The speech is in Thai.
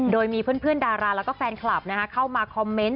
โดยมีเพื่อนดาราและแฟนคลับนะใครเข้ามาคอมเม้นติน